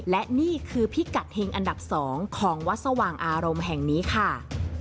และนี่คือพิกัดเฮงอันดับ๒ของวัดสว่างอารมณ์แห่งนี้ค่ะ